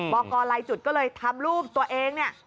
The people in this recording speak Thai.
บกลจุดก็เลยทำรูปตัวเอง